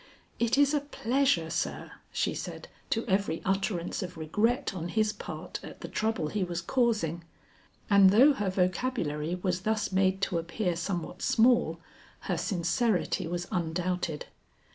"It is a pleasure sir," she said to every utterance of regret on his part at the trouble he was causing. And though her vocabulary was thus made to appear somewhat small, her sincerity was undoubted.